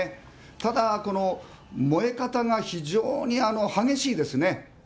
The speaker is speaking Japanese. ただ、この燃え方が非常に激しいですね。